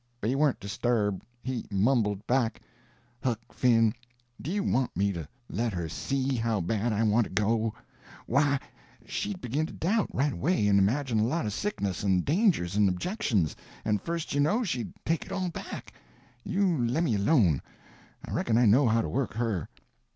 But he warn't disturbed. He mumbled back: "Huck Finn, do you want me to let her see how bad I want to go? Why, she'd begin to doubt, right away, and imagine a lot of sicknesses and dangers and objections, and first you know she'd take it all back. You lemme alone; I reckon I know how to work her."